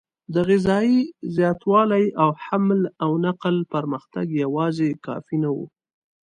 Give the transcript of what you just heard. د غذایي زیاتوالي او حمل او نقل پرمختګ یواځې کافي نه و.